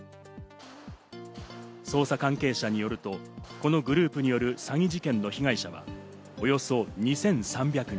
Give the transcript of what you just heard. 捜査関係者によると、このグループによる詐欺事件の被害者はおよそ２３００人。